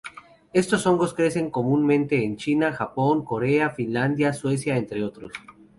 Estos hongos crecen comúnmente en China, Japón, Corea, Finlandia, Suecia, entre otros.